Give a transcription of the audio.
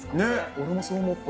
俺もそう思った。